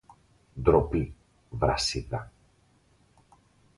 Ντροπή, Βρασίδα!